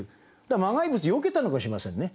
だから「磨崖仏」よけたのかもしれませんね